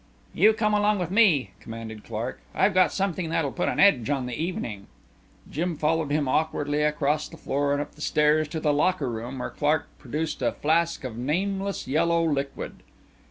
"You come along with me," commanded Clark. "I've got something that'll put an edge on the evening." Jim followed him awkwardly across the floor and up the stairs to the locker room where Clark produced a flask of nameless yellow liquid.